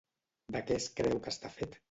De què es creu que està fet?